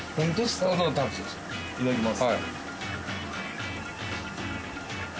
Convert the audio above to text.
いただきます